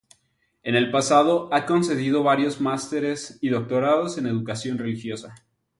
En el pasado ha concedió varios másteres y doctorados en Educación Religiosa.